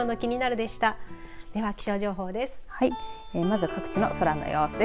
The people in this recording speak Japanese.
では気象情報です。